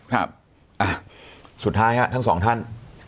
ครับอ่ะสุดท้ายฮะทั้งสองท่าน